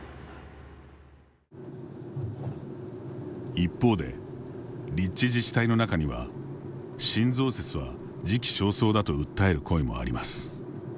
一方で、立地自治体の中には新増設は時期尚早だと訴える声もあります。